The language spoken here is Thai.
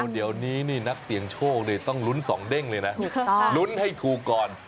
เดี๋ยวนี้นี่นักเสี่ยงโชคต้องลุ้นสองเด้งเลยนะลุ้นให้ถูกก่อน